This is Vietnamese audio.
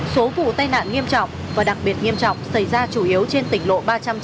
số vụ tai nạn nghiêm trọng và đặc biệt nghiêm trọng xảy ra chủ yếu trên tỉnh lộ ba trăm sáu mươi